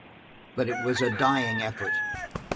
But it was a dying effort.